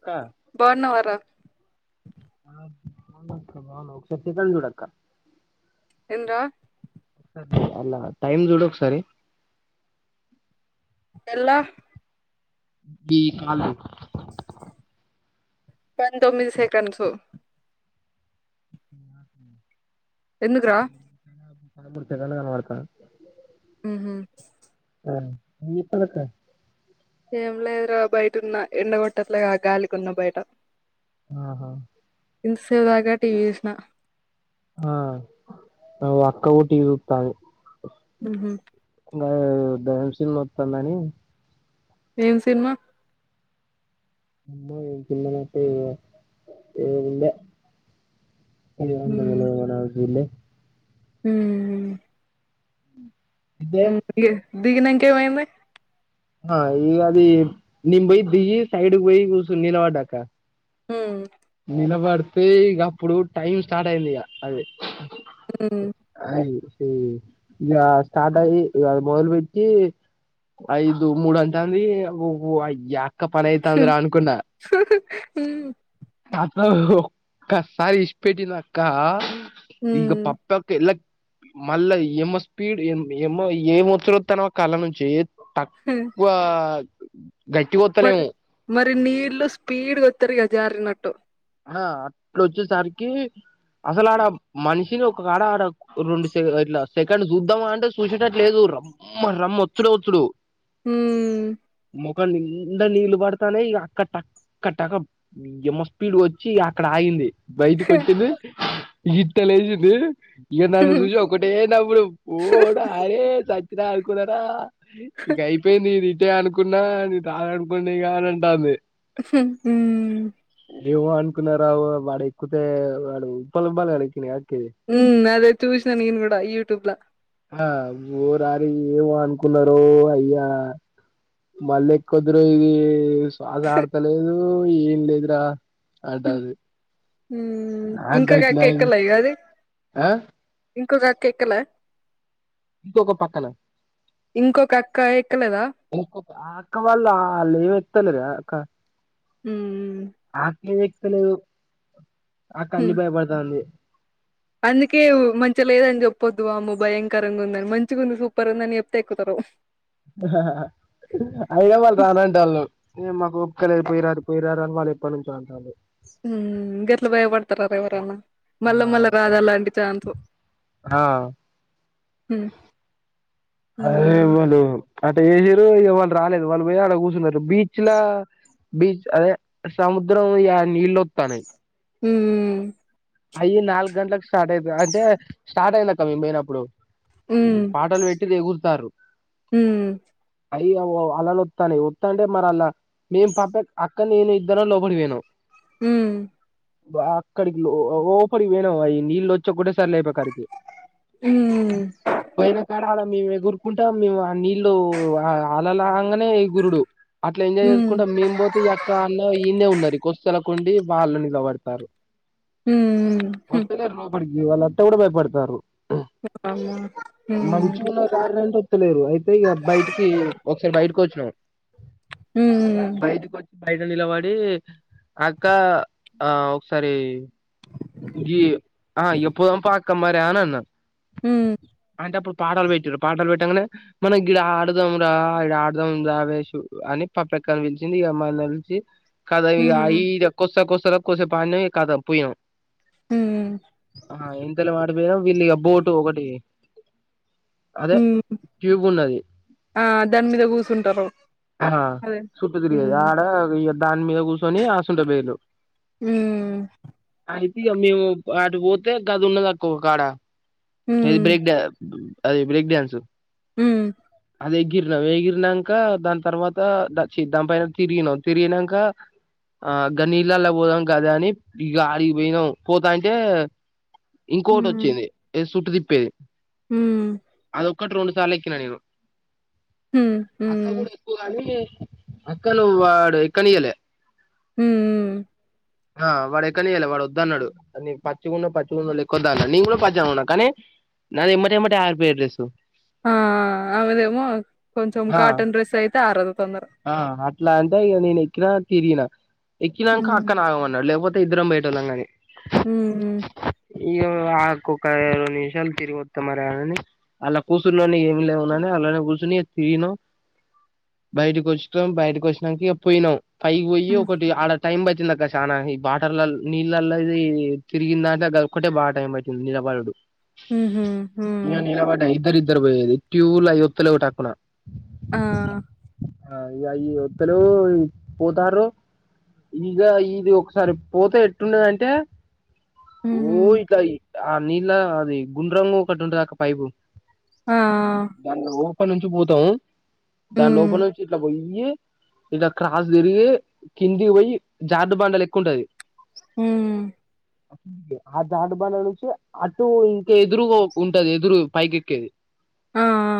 అక్క బావున్నావారా ఆ బాగున్నా అక్క బాగున్నావా ఒక సరి సిగ్నల్ చూడక్క ఏందిరా అల్ల టైమ్ చూడు ఒకసారి ఎల్ల ఈ కళ్ళ పంతొమ్మిది సెకండ్సు ఎందుకురా పదమూడు సెకండ్ కనపడుతాంది మ్హూ. ఆ ఇది ఎప్పటిదాకా ఏం లేదురా బయటున్న ఎండగొట్టట్లే గాలికి ఉన్న బయట ఆహా ఇంత సేపు దాక టీవీ చూసిన ఆ అగొ అక్క కుడా టీవీ చూస్థంది ఉహు ఇ దెయ్యం సినిమా వస్తుందని ఏం సినిమా అమ్మ సినిమా అంటే నా ఏంద ఉమ్ [unintelligible] నాకు తెలీదు ఉమ్ అయితే దిగినాకైపోయిందా ఆ ఈ అది నేను బోయి దిగి సైడ్కి పోయి కూర్చొని నీలవాడ్క హమ్ నిలబడితే ఇక అప్పుడు టైం స్టార్ట్ అయింది ఇక అది ఉమ్ అ ఈ ఇగ స్టార్ట్ అయ్యి అది మొదలు పెట్టి ఐదు మూడు అయితుంది ఊ య అక్క పని అయితుందరా అనుకున్నా ఉ అక్క ఓ ఒక్కసారి విసిపెట్టిర్రు అక్క ఉమ్ ఈగ ఉమ్ పప్పకు ఎలక్క్ మళ్ళా ఏమో స్పీడ్ ఏ ఏమో ఏ విచ్చిర్తు కళ్ళ నుంచి ఏ తక్కువా గట్టిగా వోత్తలేము టీ నీడుళ్లు స్పీడ్ గొతరి య జారీనట్టు ఆ అట్ల వచ్చేసరికి అసలు ఆడ మనిషిని ఒకకాడ రెండు సైడల సెకండ్ చూద్దామా అంటే చూసేట్లలేదు రమ్మ రమ్మ ఒత్తుడు ఒత్తుడు ఉమ్ మొఖం నిండ నీళ్లు పడతున్నాయి అక్క టక్క టక యమ స్పీడ్ వచ్చి అక్కడ ఆగింది బయటికి వొచ్చింది ఇట్ట లేచింది ఇడు నన్ను చూసి ఒకటే నవ్వుడు ఓ డాడీ చచ్చిన ఆనుకున్నార ఈ ఇంక అయిపోయింది నీను ఇటే అనుకున్నా నేను రాను అనుకొని రాను అంటుంది ఉఫ్ ఊ ఏమో అనుకున్నారా వాడ ఎక్కుతే వాడు పాలా పాల వెనక్కి ఉ అదే చూసినా నేను కూడా యూట్యూబ్ లా ఆ ఓ రారి ఏమో అనుకున్నోరో అయ్యా మళ్ళీకుదురై ఇది శ్వాస ఆడతలేదు ఏం లేదురా అంటది మ్మ్ ఇంకొక నగ్యటు అక్క నైన్ ఆ ఇంకో అక్క ఎక్కలే ఇంకొక పక్కన ఇంకొక అక్క ఎక్కలేదా అక్క వాళ్ల ఆ లే ఎత్తలేదు అక్క ఉ ఏం ఎక్కితేలేదు ఆ అక్క అన్ని హ్మ్ భయపడుతుంది అందుకే మంచి లేదని చెప్పొద్దు అమ్మో భయంకరంగా ఉందని మంచిగా ఉంది సూపర్ ఉంది అని చెప్తే ఎక్కుతారు అయిన వాళ్ళు రానంటలు వాళ్ళు నేను మా ఓపికల్ పోయిరారు పోయిరారు అని వాళ్ళు ఎప్పటి నుంచో అంతుంది ఉ గట్ల బయపడు తరతా ఎవరన్నా ఆ మళ్ళా మళ్ళా రాదా అలాంటి ఛాన్సు ఆ ఉ అదే వాళ్ల ఊరు అదే హీరో ఇవాళ రాలేదు వాళ్ళు పోయి అడ కూర్చున్నారు బీచ్ ల బీచ్ అదే సముద్రం ఎడ నీళ్ళొత్తన్నాయి ఊ అయ్యి నాలుగు గంటలకు స్టార్ట్ అయితే అంటే స్టార్ట్ అయింది అక్క నేను పోయినప్పుడు ఈ మ్మ్ పాటలు పెట్టి ఎగురుతారు మ్మ్ అయ్య వో అలలు వత్తాన్నాయి వత్తాంటే మరి అలా మేం పక్క అక్క నేను ఇద్దరం లోపలికి పోయినం ఉ అక్కడికి ఓ లోపడి పొయినము అవి నీళ్ళు వచ్చకుడే సర్లే కోపడికి మ్మ్ పోయినకడ్ అడ మేము ఎగురుకుంటా మేము ఆ నీళ్లు అలలు రాంగానే ఏగురుడు అట్లా ఎంజాయ్ మ్మ్ చేసుకుంటా మేము పోతే ఈ అక్క అందరు ఈయన్నే ఉన్నారు కొసల కుండి వాళ్ళ నిలబడతారు మ్మ్ మ్మ్ హ్మ్ వత్నే లోపడి ఇవాల అత కూడా భయపడతారు అవునా మంచి ఉన్నారు గార చెప్పలేరు అయితే ఇగ బయటికి ఒకసారి బయటకి వచ్ మ్మ్ బైటికీ కొచ్ బయట నిలబడి అక్క ఆ ఒకసారి కమ్మరేనాన్ ఉ అప్పుడు పాటలు పెట్టిరు పాటలు పెట్టంగనే మనం ఇడ ఆడదాం రా ఇడ ఆడదాం రా వేష అని పప ఎక్కని పిలిచింది ఇక అమ్ని నిలిచి కాదా ఇ అయి మ్మ్ వస్తాక వస్తార కోసే పా కాదా పోయినాం మ్మ్ ఆ ఎంతలో మాడిపోయినా వీళ్ళ ఇగ బోటు ఒకటి అదే మ్మ్ ట్యూబ్ ఉన్నది ఆ దాని మీద కూర్చుంటారు ఆ అదే చుట్టూ తిరిగేది ఉమ్ ఆడ ఇ దాని మీద కూసోని ఆసుంట పేలు ఊ అయితే ఇగ మేము అటు పోతే గది ఉన్నది అక్క కాడ అది ఉమ్ బ్రేక్ అది బ్రేక్ డ్యాన్సు ఉ అది ఎగిరినాం ఎగిరినంక దాని తర్వాత దాని పైన తిరిగినా తిరిగినంక ఆ గనీల్లాల్లా పోదాం కదా అని అడిగి పోయినాం పోతా అంటే ఇంకోటి వచ్చింది చుట్టు తిప్పేది ఉ ఒక్కటి రెండు సార్లు ఎక్కినా నేను ఉమ్ అక్క ఉమ్ కూడా ఎక్కువగానీ అక్కను వాడు ఇక్కనియలే ఉ ఆ వాడు ఎక్కనీయల వాడు వద్దు అన్నాడు పచ్చికుండ పచ్చిగుండో లెక్కొద్దు అన్నా నేను కూడా పచ్చన్నా కానీ నాది ఎమ్మటె ఎమ్మట ఆరుపియడ్రసు ఆ ఆమెదేమో కొంచెం ఆ కాటన్ డ్రెస్ అయితే ఆరదు తొందర ఆ అట్లా అంటే నేను ఎక్కినా తిరిగిన ఎక్కినంక ఉమ్ న్నా లేకపోతే ఇద్దరం బయటోళ్ళం కాని ఉమ్ ఇ నాకుఒక ఇరవై నిమిషాలు తిరిగి వస్తా మరి అని అలా కూసుర్లోని ఏమి లేవునని అలానే కూసు న్ తిను బయటకి వచ్చాం బయటకి వచ్చినంక ఇగ పోయినాం పైకి పోయి ఉమ్ ఒకటి ఆడ టైం పట్టిందక్ క్క చాన ఈ బాటర్ల నీళ్ళల్లోది తిరిగింద అంటే కొంటే బాగా టైం పట్టింది నీలబడుడు ఉహు ఇగ ఉమ్ నలబడ్డ ఇద్దరు ఇద్దరు పోయ్యేది క్యూ ల అయ్యి ఒత్త్ లెవ్ టక్కున ఆ ఆ ఇగ అయ్యి ఒత్తలెవ్ ఈ పోతర్రు ఈ ఇగ ఇది ఒకసారి పోతే ఎట్టున్నదంటే ఓ ఉమ్ ఇగ ఈ ఆ నీళ్ళ అది గుండ్రంగ ఒకటి ఉంటది అక్క పైపు ఆ దాని లోప నుంచి పోతాము దాని ఉమ్ లోపల నుంచి ఇట్లా పోయి య్యి క్రాస్ తిరిగి కింది పోయి జార్డు బండ లెక్క ఉంటది మ్ ఆ జరుడుబండ నుంచి అటు ఇంకా ఎదురు ఓ ఉంటది ఎదురు పైకెక్కేది ఆ ఆ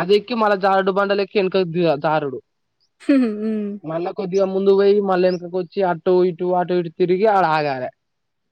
అది ఎక్కి మళ్ళ జరుడు బండలేక్కి వెనకకి జరుడు మ్ ఇగా ముందుకు పోయి మళ్ళ వెనకకోచ్చి అటు ఇటు అటు ఇటు తిరిగి ఆడ ఆగాలే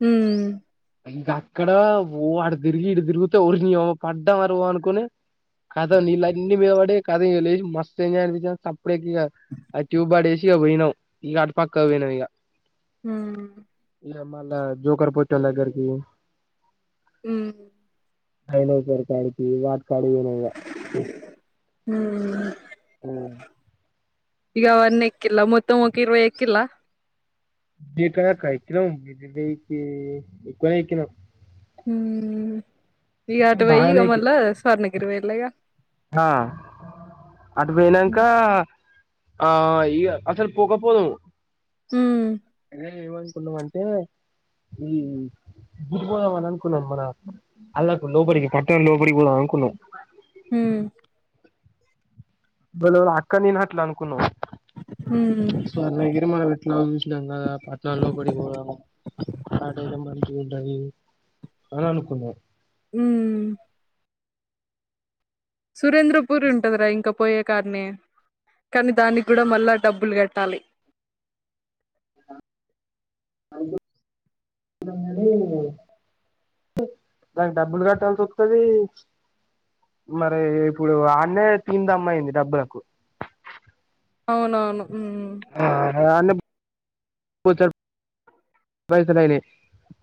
మ్ ఇగ అక్కడ ఓ అటు తిరిగి ఇటు తిరిగితే ఓరినియవ్వ పడ్డామరో అనుకోని కతం నీళ్లన్నీ మీద పడ్డాయ్ కతం ఇగ మస్తు ఎంజాయ్ అనిపించ్ సప్పుడేక ఇగ ఆ ట్యూబ్ పడేసి ఇగ పోయినం ఇగ పక్కకు పోయినం ఇగ మ్ ఇగ మళ్ళా జోకర్ పోట్టోల్ దగ్గరికి మ్ కైలెషేర్ కడికి అట్ కాడికి పోయినం ఇగ ఉమ్ ఆ ఇగ అవన్నీ ఎక్కిళ్ల మొత్తము ఒక ఇవై ఎక్కిళ్ళ ఎక్కడ అక్క ఎక్కినం ఇరవైకి ఎక్కువనే ఎక్కినం మ్ ఈగ ఆటు పోయి బాగానే ఇగ ఎక్కి మల్ళ స్వర్ణగిరి పొఇళ్ల ఇగ ఆ అటు పోయినంక ఆ ఇగ అసలు పోకపోదుము ఉమ్ కున్నాం అంటే ఈ గు పోదాం మన అల్లకు లోపలికి పట్టణం లోపలికి పోదాం అనుకున్నాం ఉమ్ ఇవ్వలేవాల్ అక్క నిన్ అట్లా అనుకున్నం మ్ స్వర్ణగిరి మనం ఎట్లాగో చూసినం కదా పట్నం లోపటికిపోదామని అదైతే మంచిగుంటది అని అనుకున్నం మ్ సురేంద్రపూరి ఉంటదిరా ఇంకా పోయ్యే కాన్నే కానీ దానికి కూడా మళ్ళా డబ్బులు కట్టాలి అనుకున్నాం కని దానికి డబ్బులు కట్టాల్సి ఓత్తది మరి ఇప్పుడు ఆన్నే తినిదమైంది డబ్బలకు అవునవును ఉమ్ అ అన్నే బొచ్చడ్ పైయిసలైనయి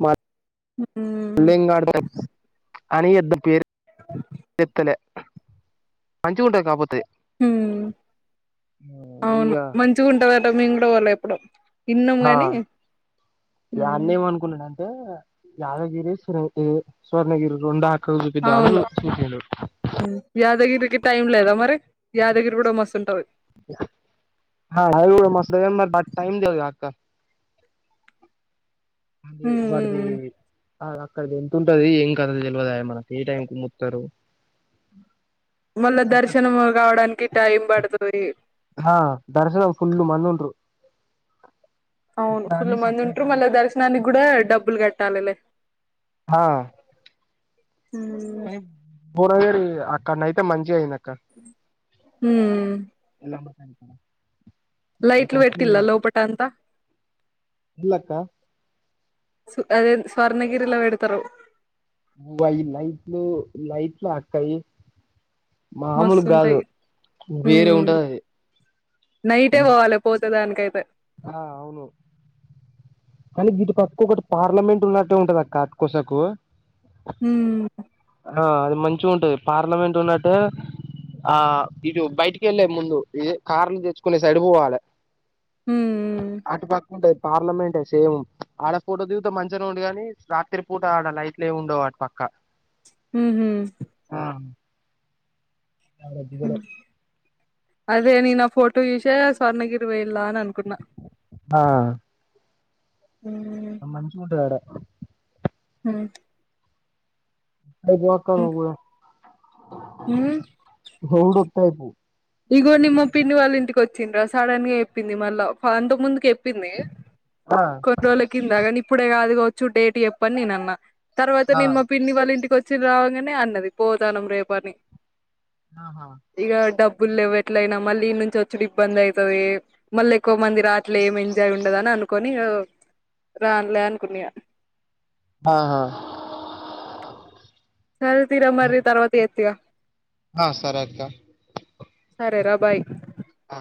మ ఉమ్ పులింగాడ అనిద్ద పేరుత్తలే మంచి గుంటది కాపోతే ఉ అవును ఇగ మంచిగా ఉంటదట మేము కూడా పోల ఎప్పుడు ఇన్నము ఆ కానీ ఇగ అన్న ఏమనుకున్నాడంటే యాదగిరి స స్వర్ణగిరి రండు అవును యాదగిరికి గిట్ట ఏంలేదా మరి యాదగిరి కూడా మస్తుంటది అది గూడ మరి బ టైమ్ దవు ఆక్క అడి ఉమ్ వాడది ఉమ్ ది ఎంతంటది ఏం కద తెలివదు మనకి ఏ టైం కు ముక్కుతరు మళ్ళా దర్శనం కావడానికి టైం పడుతది ఆ దర్శనం ఫుల్ మన్ను ఉంటరు అవును ఫుల్ మంది ఉంటరు మళ్ళీ దర్శనానికి కూడా డబ్బులు కట్టాలిలే హా కానీ ఉమ్ పూరవేరి అక్కడనయితే మంచిగా అయిన ఉ అ లైట్లు ఎట్తిల్ల లోపట అంత ఇల్లక్క అదే స్వర్ణగిరిలోవేడుతరు అయి నైట్లు నైట్లు అక్కయి మామూలు గాదు మస్తుంటాయి వేరే ఉమ్ ఉంటది నైటే అది పోవాలి పోతే దానికైతే హా అవును కానీ వీటు అక్కకకటి పార్లమెంట్ ఉన్నట్టు ఉంటది అక్క అట్కోసకు ఉమ్ ఆ అది మంచి ఉంటది పార్లమెంట్ ఉన్నట్టు ఆ ఇటు బయటికి వెళ్ళే ముందు ఇది కార్లు తెచ్చుకునే సైడ్ పోవాలి ఉమ్ అటుపక్క కొంటె పార్లమెంటే సేమ్ ఆడ పూట దిగుత మంచిగానే ఉండు గాని రాత్రి పూట ఆడ లైట్లు ఏమి ఉండవు వాడు పక్క ఉహు ఆ గజ్జికలు అదే నా ఫోటో జూషే స్వర్ణగిరి పోయిలా అని అనుకున్ ఆ హ్మ్ మంచిగుంటది రా అ ఐదు మక్కను కూడ ఉ కో ఇదిగో నిమ్మ పిన్ని వాళ్ళ ఇంటికి వచ్చిందిరా సడన్ గా ఎప్పింది మళ్ళా అంత ముందుకి ఎప్పింది ఆ కొన్ని రోజుల కింద కానీ ఇప్పుడే కాదు కావచ్చు డేట్ చెప్పని నేను అన్నా తర్వాత ఆ నేను మా పిన్ని వాళ్ళ ఇంటికి వచ్చి రావంగానే అన్నది పోతాను రేపు అని ఆహా ఇక డబ్బు బుల్ ఎట్లయినా మళ్ళీ ఈ నుంచి వచ్చడు ఇబ్బంది అయితది మళ్ళీ ఎక్కువ మంది రాట్లే ఏం ఎంజాయ్ ఉండదు అనుకని రాన్లే అనుకున్నా ఇయ ఆహా సరే తిర ఆ మరి తర్వాత ఎత్త ఇగ ఆ సరే ఆక్క రేరా బాయ్ ఆ